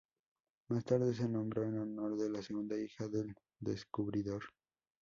Más tarde, se nombró en honor de la segunda hija del descubridor.